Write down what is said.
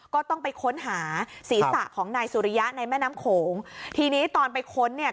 ก็ต้องไปค้นหาศีรษะของนายสุริยะในแม่น้ำโขงทีนี้ตอนไปค้นเนี่ย